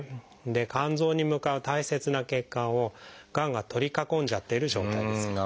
で肝臓に向かう大切な血管をがんが取り囲んじゃっている状態です。